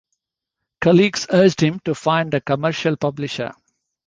Colleagues urged him to find a commercial publisher.